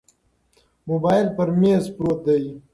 موبایل پر مېز پروت دی.